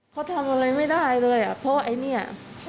เขาทำอะไรไม่ได้เลยอ่ะเพราะไอ้เนี่ย